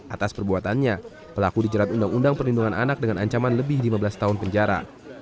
atas perbuatannya pelaku dijerat undang undang perlindungan anak dengan ancaman lebih lima belas tahun penjara